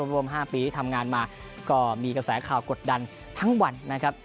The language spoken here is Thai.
รวม๕ปีที่ทำงานมาก็มีกระแสข่าวกดดันทั้งวันนะครับ